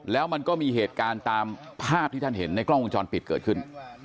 แล้วมันก็มีเหตุการณ์ตามภาพที่ท่านเห็นในกล้องวงจรปิดเกิดขึ้น